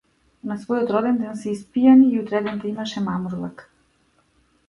На својот роденден се испијани и утредента имаше мамурлак.